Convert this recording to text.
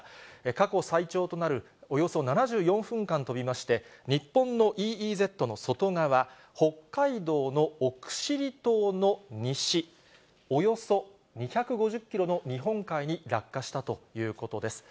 過去最長となるおよそ７４分間飛びまして、日本のＥＥＺの外側、北海道の奥尻島の西およそ２５０キロの日本海に落下したということです。